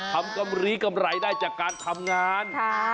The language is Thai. ทำกรรมรีกรรไหร่ได้จากการทำงาน